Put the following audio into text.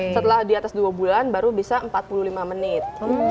setelah di atas dua bulan baru bisa empat puluh lima menit